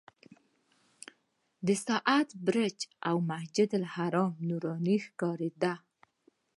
د ساعت برج او مسجدالحرام نوراني ښکارېده.